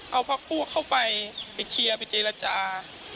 เอาพักพวกเข้าไปไปเคลียร์ไปเจรจา